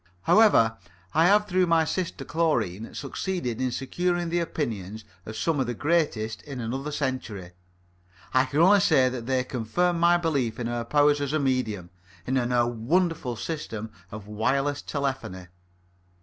However, I have through my sister Chlorine succeeded in securing the opinions of some of the greatest in another century. I can only say that they confirm my belief in her powers as a medium, and in her wonderful system of wireless telephony.